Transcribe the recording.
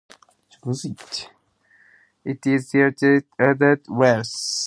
It is a charity registered in England and Wales.